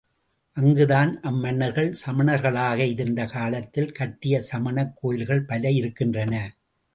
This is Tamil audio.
அங்குதான் அம்மன்னர்கள் சமணர்களாக இருந்த காலத்தில் கட்டிய சமணக் கோயில்கள் பல இருக்கின்றன.